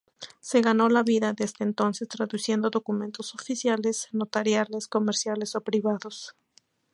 Se ganó la vida desde entonces traduciendo documentos oficiales, notariales, comerciales o privados.